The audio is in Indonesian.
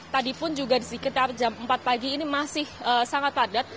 tadi pun juga di sekitar jam empat pagi ini masih sangat padat